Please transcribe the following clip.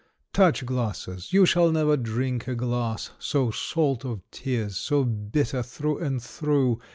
Touch glasses ! Tou shall never drink a glass So salt of tears, so bitter through and through.